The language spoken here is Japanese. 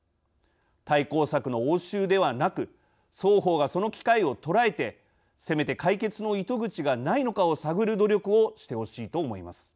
対抗策の応酬ではなく双方がその機会を捉えてせめて解決の糸口がないのかを探る努力をしてほしいと思います。